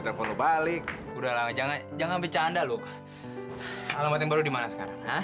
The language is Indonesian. telepon balik udah jangan jangan bercanda lu alamat yang baru dimana sekarang ah